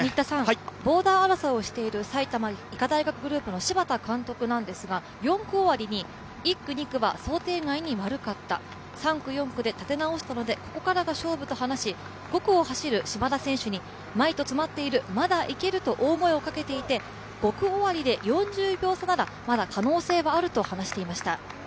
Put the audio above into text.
ボーダー争いをしている埼玉医科大学グループの柴田監督ですが４区終わりに１区、２区は想定外に悪かった、３区、４区で立て直したので、ここからが勝負と話し、５区を走る島田選手に、前と詰まっているまだいけると大声をかけていて５区終わりで４０秒差ならまだ可能性はあると話していました。